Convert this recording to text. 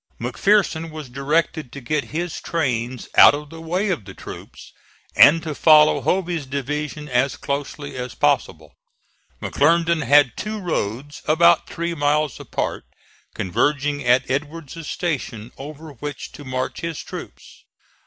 McPherson was directed to get his trains out of the way of the troops, and to follow Hovey's division as closely as possible. McClernand had two roads about three miles apart, converging at Edward's station, over which to march his troops.